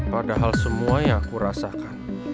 padahal semuanya aku rasakan